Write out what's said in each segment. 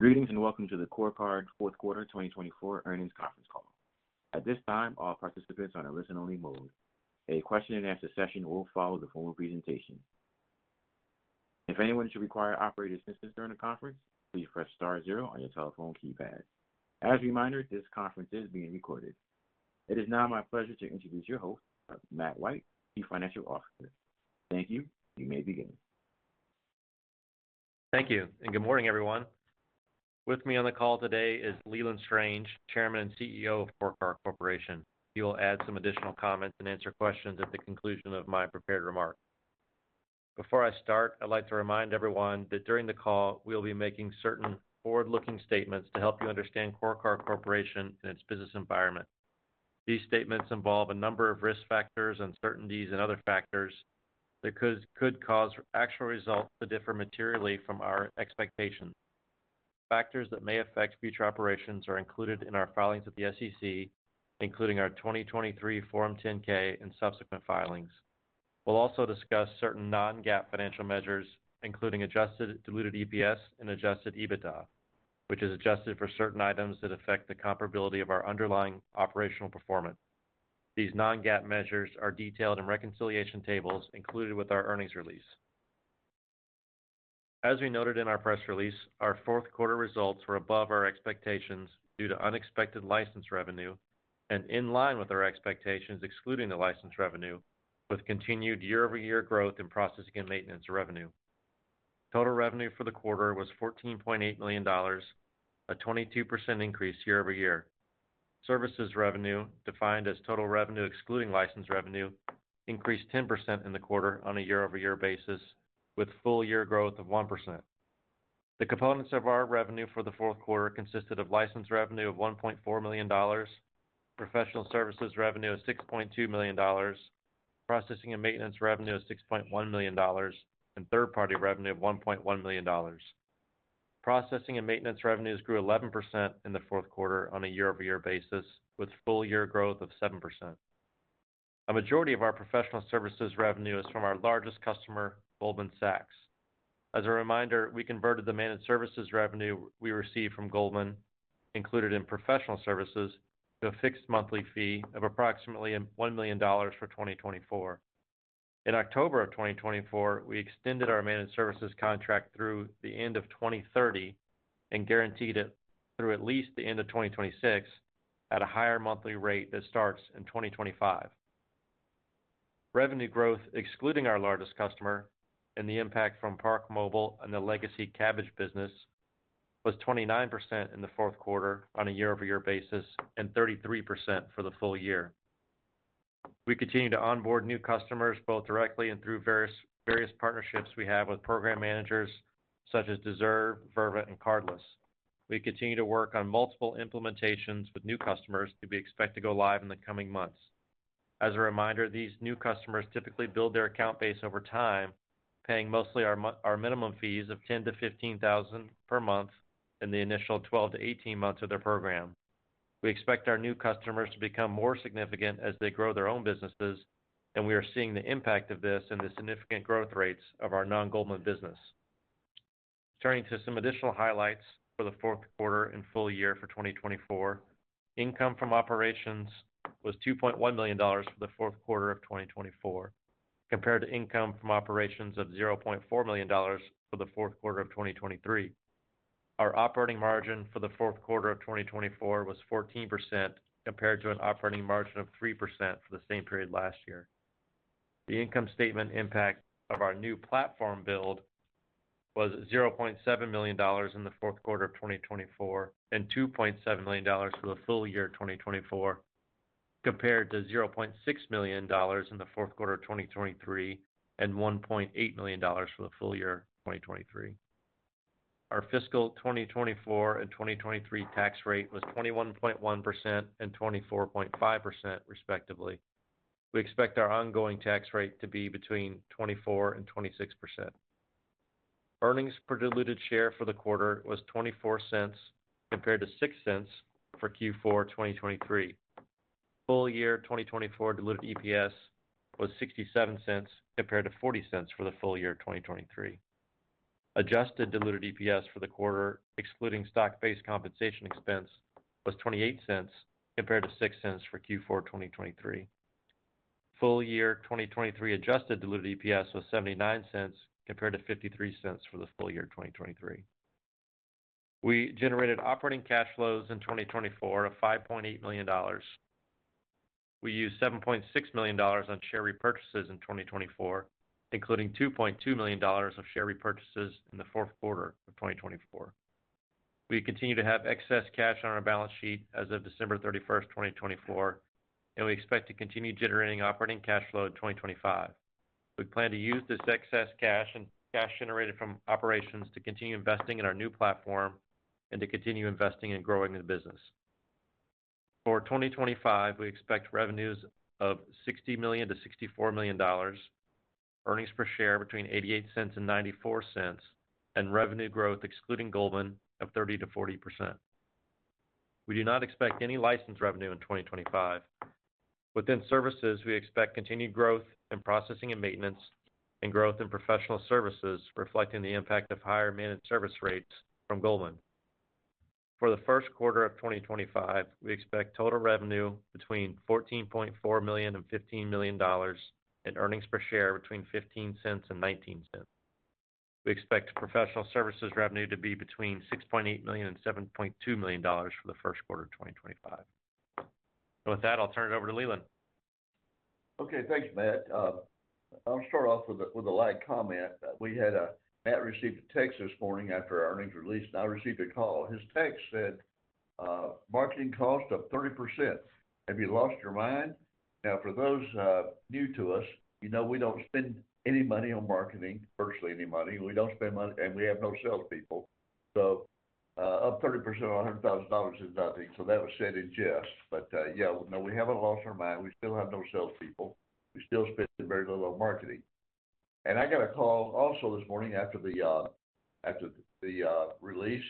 Greetings and welcome to the CoreCard Fourth Quarter 2024 Earnings Conference Call. At this time, all participants are in a listen-only mode. A question-and-answer session will follow the full presentation. If anyone should require operator assistance during the conference, please press star zero on your telephone keypad. As a reminder, this conference is being recorded. It is now my pleasure to introduce your host, Matt White, Chief Financial Officer. Thank you. You may begin. Thank you. Good morning, everyone. With me on the call today is Leland Strange, Chairman and CEO of CoreCard Corporation. He will add some additional comments and answer questions at the conclusion of my prepared remarks. Before I start, I'd like to remind everyone that during the call, we'll be making certain forward-looking statements to help you understand CoreCard Corporation and its business environment. These statements involve a number of risk factors, uncertainties, and other factors that could cause actual results to differ materially from our expectations. Factors that may affect future operations are included in our filings at the SEC, including our 2023 Form 10-K and subsequent filings. We'll also discuss certain non-GAAP financial measures, including adjusted diluted EPS and adjusted EBITDA, which is adjusted for certain items that affect the comparability of our underlying operational performance. These non-GAAP measures are detailed in reconciliation tables included with our earnings release. As we noted in our press release, our fourth quarter results were above our expectations due to unexpected license revenue and in line with our expectations, excluding the license revenue, with continued year-over-year growth in processing and maintenance revenue. Total revenue for the quarter was $14.8 million, a 22% increase year-over-year. Services revenue, defined as total revenue excluding license revenue, increased 10% in the quarter on a year-over-year basis, with full-year growth of 1%. The components of our revenue for the fourth quarter consisted of license revenue of $1.4 million, professional services revenue of $6.2 million, processing and maintenance revenue of $6.1 million, and third-party revenue of $1.1 million. Processing and maintenance revenues grew 11% in the fourth quarter on a year-over-year basis, with full-year growth of 7%. A majority of our professional services revenue is from our largest customer, Goldman Sachs. As a reminder, we converted the managed services revenue we received from Goldman, included in professional services, to a fixed monthly fee of approximately $1 million for 2024. In October of 2024, we extended our managed services contract through the end of 2030 and guaranteed it through at least the end of 2026 at a higher monthly rate that starts in 2025. Revenue growth, excluding our largest customer, and the impact from ParkMobile and the legacy Kabbage business was 29% in the fourth quarter on a year-over-year basis and 33% for the full year. We continue to onboard new customers both directly and through various partnerships we have with program managers such as Deserve, Verve, and Cardless. We continue to work on multiple implementations with new customers that we expect to go live in the coming months. As a reminder, these new customers typically build their account base over time, paying mostly our minimum fees of $10,000-$15,000 per month in the initial 12-18 months of their program. We expect our new customers to become more significant as they grow their own businesses, and we are seeing the impact of this and the significant growth rates of our non-Goldman business. Turning to some additional highlights for the fourth quarter and full year for 2024, income from operations was $2.1 million for the fourth quarter of 2024, compared to income from operations of $0.4 million for the fourth quarter of 2023. Our operating margin for the fourth quarter of 2024 was 14%, compared to an operating margin of 3% for the same period last year. The income statement impact of our new platform build was $0.7 million in the fourth quarter of 2024 and $2.7 million for the full year of 2024, compared to $0.6 million in the fourth quarter of 2023 and $1.8 million for the full year of 2023. Our fiscal 2024 and 2023 tax rate was 21.1% and 24.5%, respectively. We expect our ongoing tax rate to be between 24% and 26%. Earnings per diluted share for the quarter was $0.24, compared to $0.06 for Q4 2023. Full year 2024 diluted EPS was $0.67, compared to $0.40 for the full year 2023. Adjusted diluted EPS for the quarter, excluding stock-based compensation expense, was $0.28, compared to $0.06 for Q4 2023. Full year 2024 adjusted diluted EPS was $0.79, compared to $0.53 for the full year 2023. We generated operating cash flows in 2024 of $5.8 million. We used $7.6 million on share repurchases in 2024, including $2.2 million of share repurchases in the fourth quarter of 2024. We continue to have excess cash on our balance sheet as of December 31, 2024, and we expect to continue generating operating cash flow in 2025. We plan to use this excess cash and cash generated from operations to continue investing in our new platform and to continue investing and growing the business. For 2025, we expect revenues of $60 million-$64 million, earnings per share between $0.88 and $0.94, and revenue growth, excluding Goldman, of 30%-40%. We do not expect any license revenue in 2025. Within services, we expect continued growth in processing and maintenance and growth in professional services, reflecting the impact of higher managed service rates from Goldman. For the first quarter of 2025, we expect total revenue between $14.4 million and $15 million, and earnings per share between $0.15 and $0.19. We expect professional services revenue to be between $6.8 million and $7.2 million for the first quarter of 2025. With that, I'll turn it over to Leland. Okay. Thanks, Matt. I'll start off with a light comment. Matt received a text this morning after our earnings release, and I received a call. His text said, "Marketing cost up 30%. Have you lost your mind?" Now, for those new to us, we don't spend any money on marketing, virtually any money. We don't spend money, and we have no salespeople. Up 30% on $100,000 is nothing. That was said in jest. Yeah, no, we haven't lost our mind. We still have no salespeople. We still spend very little on marketing. I got a call also this morning after the release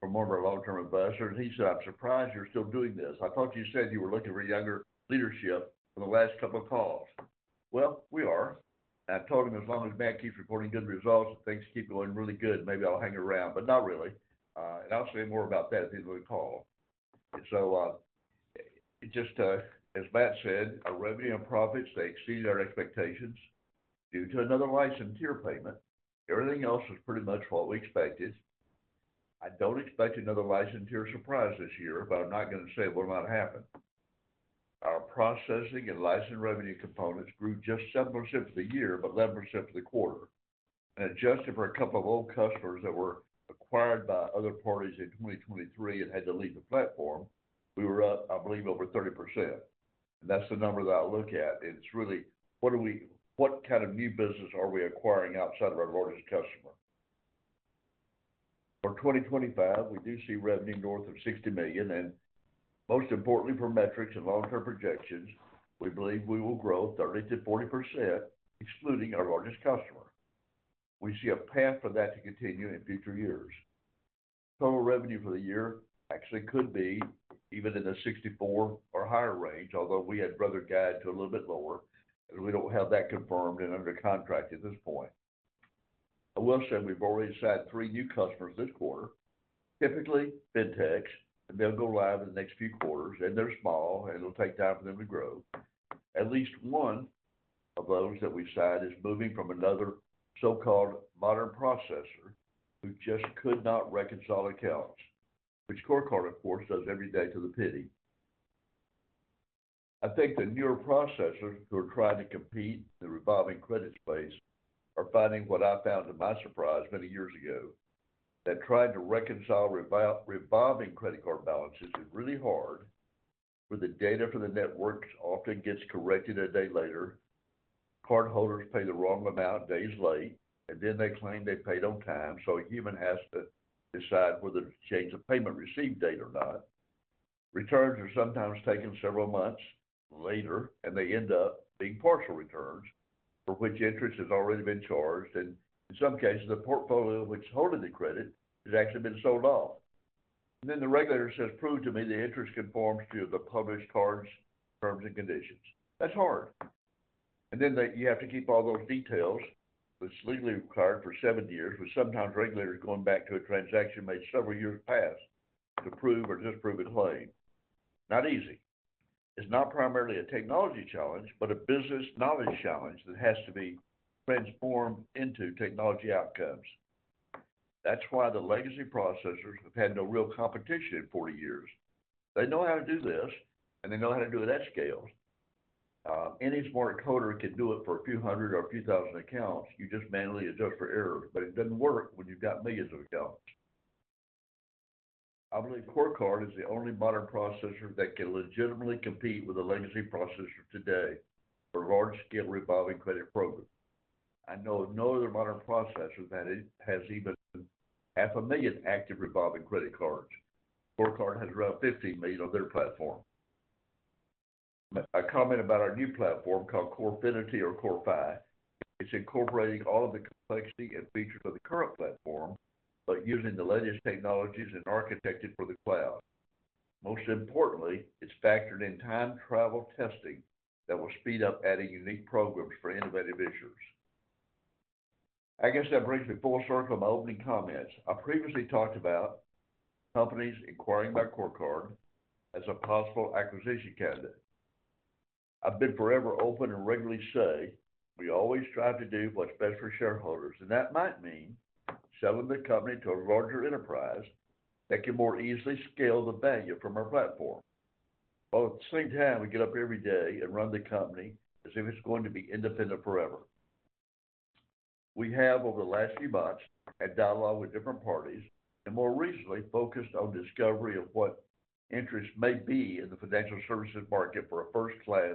from one of our long-term advisors, and he said, "I'm surprised you're still doing this. I thought you said you were looking for younger leadership for the last couple of calls." We are. I told him as long as Matt keeps reporting good results and things keep going really good, maybe I'll hang around, but not really. I'll say more about that at the end of the call. Just as Matt said, our revenue and profits, they exceeded our expectations due to another license year payment. Everything else is pretty much what we expected. I don't expect another license year surprise this year, but I'm not going to say it will not happen. Our processing and license revenue components grew just 7% for the year, but 11% for the quarter. Adjusted for a couple of old customers that were acquired by other parties in 2023 and had to leave the platform, we were up, I believe, over 30%. That's the number that I look at. It is really, what kind of new business are we acquiring outside of our largest customer? For 2025, we do see revenue north of $60 million. Most importantly, for metrics and long-term projections, we believe we will grow 30%-40%, excluding our largest customer. We see a path for that to continue in future years. Total revenue for the year actually could be even in the $64 million or higher range, although we had rather guided to a little bit lower, and we do not have that confirmed and under contract at this point. I will say we have already signed three new customers this quarter, typically fintechs, and they will go live in the next few quarters, and they are small, and it will take time for them to grow. At least one of those that we signed is moving from another so-called modern processor who just could not reconcile accounts, which CoreCard, of course, does every day to the penny. I think the newer processors who are trying to compete in the revolving credit space are finding what I found to my surprise many years ago, that trying to reconcile revolving credit card balances is really hard for the data for the networks often gets corrected a day later. Cardholders pay the wrong amount days late, and then they claim they paid on time, so a human has to decide whether to change the payment receipt date or not. Returns are sometimes taken several months later, and they end up being partial returns for which interest has already been charged. In some cases, the portfolio which is holding the credit has actually been sold off. The regulator says, "Prove to me the interest conforms to the published card's terms and conditions." That's hard. You have to keep all those details, which is legally required for seven years, with sometimes regulators going back to a transaction made several years past to prove or disprove a claim. Not easy. It's not primarily a technology challenge, but a business knowledge challenge that has to be transformed into technology outcomes. That's why the legacy processors have had no real competition in 40 years. They know how to do this, and they know how to do it at scale. Any smart coder can do it for a few hundred or a few thousand accounts. You just manually adjust for errors, but it doesn't work when you've got millions of accounts. I believe CoreCard is the only modern processor that can legitimately compete with a legacy processor today for a large-scale revolving credit program. I know of no other modern processor that has even 500,000 active revolving credit cards. CoreCard has around 50 million on their platform. A comment about our new platform called CoreFi. It's incorporating all of the complexity and features of the current platform, but using the latest technologies and architected for the cloud. Most importantly, it's factored in time travel testing that will speed up adding unique programs for innovative issuers. I guess that brings me full circle of my opening comments. I previously talked about companies inquiring about CoreCard as a possible acquisition candidate. I've been forever open and regularly say we always strive to do what's best for shareholders. That might mean selling the company to a larger enterprise that can more easily scale the value from our platform. At the same time, we get up every day and run the company as if it's going to be independent forever. We have, over the last few months, had dialogue with different parties and more recently focused on discovery of what interests may be in the financial services market for a first-class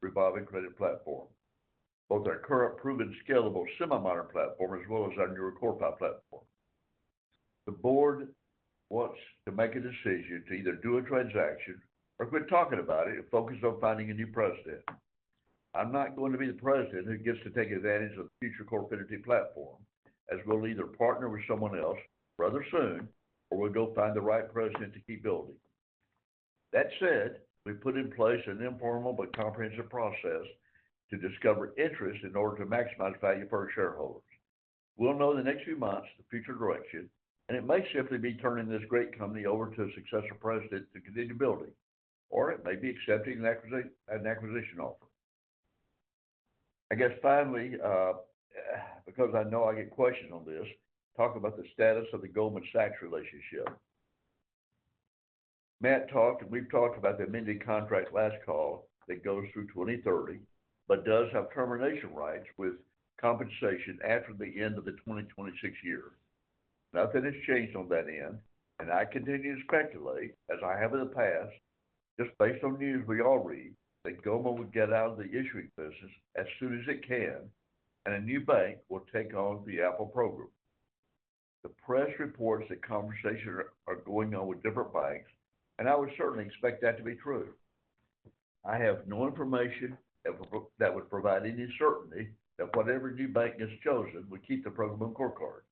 revolving credit platform, both our current proven scalable semi-modern platform as well as our newer CoreFi platform. The board wants to make a decision to either do a transaction or quit talking about it and focus on finding a new president. I'm not going to be the president who gets to take advantage of the future CoreFi platform, as we'll either partner with someone else rather soon or we'll go find the right president to keep building. That said, we put in place an informal but comprehensive process to discover interest in order to maximize value for our shareholders. We'll know in the next few months the future direction, and it may simply be turning this great company over to a successful president to continue building, or it may be accepting an acquisition offer. I guess finally, because I know I get questions on this, talk about the status of the Goldman Sachs relationship. Matt talked, and we've talked about the amended contract last call that goes through 2030, but does have termination rights with compensation after the end of the 2026 year. Nothing has changed on that end, and I continue to speculate, as I have in the past, just based on news we all read, that Goldman would get out of the issuing business as soon as it can, and a new bank will take on the Apple program. The press reports that conversations are going on with different banks, and I would certainly expect that to be true. I have no information that would provide any certainty that whatever new bank is chosen would keep the program on CoreCard.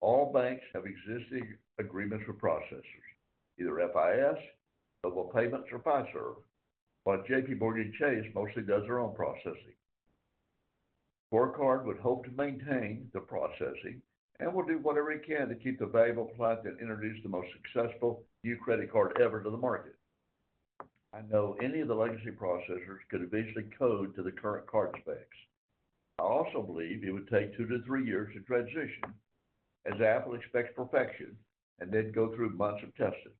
All banks have existing agreements with processors, either FIS, Global Payments, or Fiserv, but JPMorgan Chase mostly does their own processing. CoreCard would hope to maintain the processing and will do whatever it can to keep the valuable client that introduced the most successful new credit card ever to the market. I know any of the legacy processors could eventually code to the current card specs. I also believe it would take two to three years to transition, as Apple expects perfection, and then go through months of testing.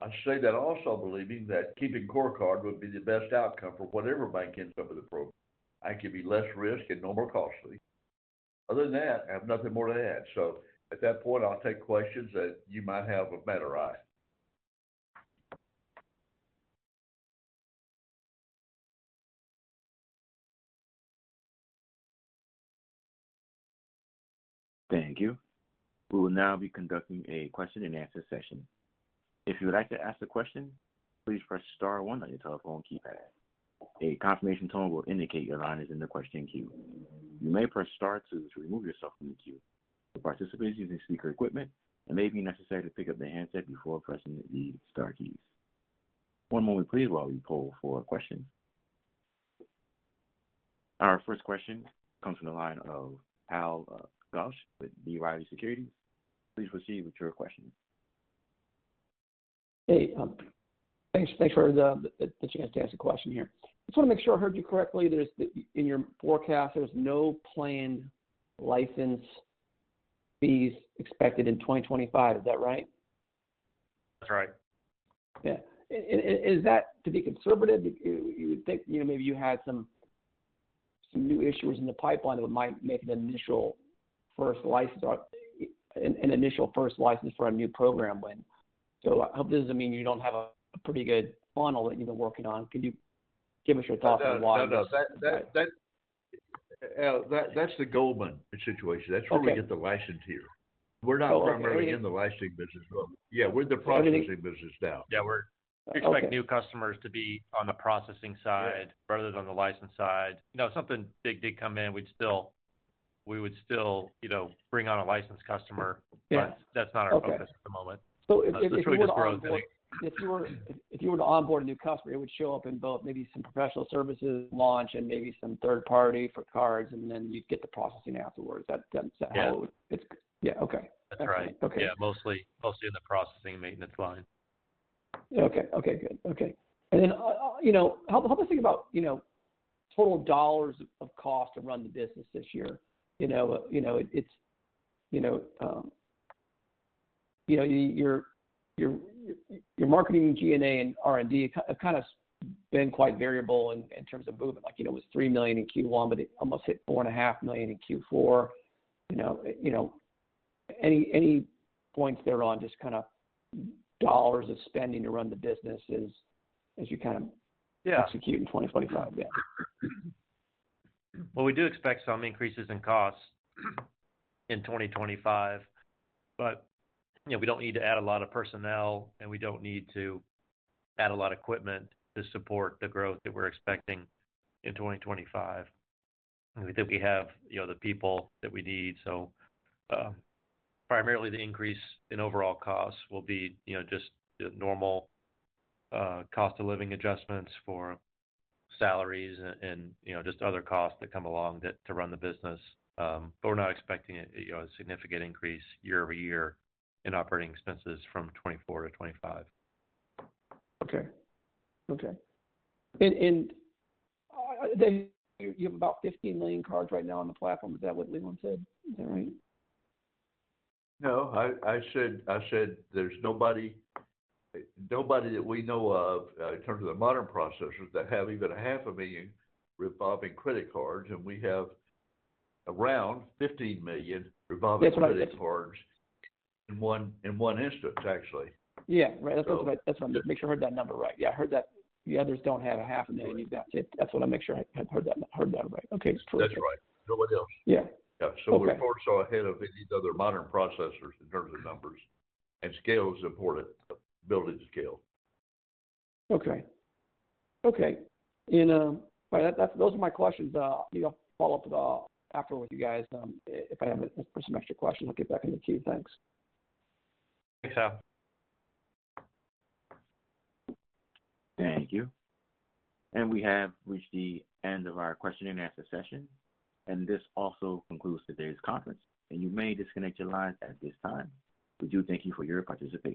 I say that also believing that keeping CoreCard would be the best outcome for whatever bank ends up with the program. It can be less risk and no more costly. Other than that, I have nothing more to add. At that point, I'll take questions that you might have with Matt or I. Thank you. We will now be conducting a question-and-answer session. If you would like to ask a question, please press star one on your telephone keypad. A confirmation tone will indicate your line is in the question queue. You may press star two to remove yourself from the queue. The participants using speaker equipment, it may be necessary to pick up their handset before pressing the star keys. One moment, please, while we poll for questions. Our first question comes from the line of Hal Goetsch with B. Riley Securities. Please proceed with your question. Hey. Thanks for the chance to ask a question here. I just want to make sure I heard you correctly. In your forecast, there's no planned license fees expected in 2025. Is that right? That's right. Yeah. Is that to be conservative? You would think maybe you had some new issuers in the pipeline that would make an initial first license or an initial first license for a new program when. I hope this doesn't mean you don't have a pretty good funnel that you've been working on. Can you give us your thoughts on why? No, no. That's the Goldman situation. That's where we get the license here. We're not primarily in the licensing business. Yeah, we're in the processing business now. Yeah. We expect new customers to be on the processing side rather than the license side. If something big did come in, we would still bring on a licensed customer, but that's not our focus at the moment. If you were to onboard a new customer, it would show up in both maybe some professional services launch and maybe some third-party for cards, and then you'd get the processing afterwards. Is that how it would? Yeah. Yeah. Okay. That's right. Yeah. Mostly in the processing maintenance line. Okay. Okay. Good. Okay. Help us think about total dollars of cost to run the business this year. Your marketing, G&A, and R&D have kind of been quite variable in terms of movement. It was $3 million in Q1, but it almost hit $4.5 million in Q4. Any points there on just kind of dollars of spending to run the business as you kind of execute in 2025? Yeah. We do expect some increases in cost in 2025, but we don't need to add a lot of personnel, and we don't need to add a lot of equipment to support the growth that we're expecting in 2025. We think we have the people that we need. Primarily, the increase in overall costs will be just normal cost of living adjustments for salaries and just other costs that come along to run the business. We're not expecting a significant increase year over year in operating expenses from 2024 to 2025. Okay. Okay. And you have about 15 million cards right now on the platform. Is that what Leland said? Is that right? No. I said there's nobody that we know of in terms of the modern processors that have even $500,000 revolving credit cards, and we have around 15 million revolving credit cards in one instance, actually. Yeah. Right. That's what I'm making sure I heard that number right. Yeah. I heard that the others don't have 500,000. That's what I'm making sure I heard that right. Okay. It's perfect. That's right. No one else. Yeah. Yeah. So we're far, far ahead of any other modern processors in terms of numbers, and scale is important. Building scale. Okay. Okay. All right. Those are my questions. I'll follow up after with you guys. If I have some extra questions, I'll get back in the queue. Thanks. Thanks, Hal. Thank you. We have reached the end of our question-and-answer session. This also concludes today's conference. You may disconnect your lines at this time. We do thank you for your participation.